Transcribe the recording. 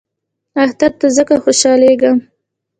اختر ته ځکه خوشحالیږم .